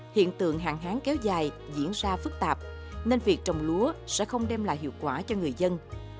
hiện tượng hạn hán kéo dài diễn ra phức tạp nên việc trồng lúa sẽ không đem lại hiệu quả cho người dân